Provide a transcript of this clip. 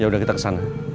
yaudah kita kesana